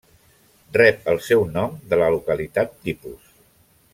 Rep el seu nom de la localitat tipus.